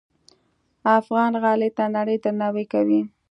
افغان غالۍ ته نړۍ درناوی کوي.